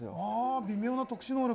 微妙な特殊能力。